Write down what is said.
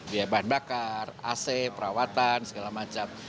biaya bahan bakar ac perawatan segala macam